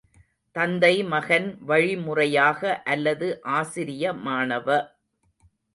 தந்தைமகன் வழிமுறையாக அல்லது ஆசிரிய மாணவ